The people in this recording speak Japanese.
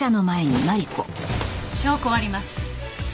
証拠はあります。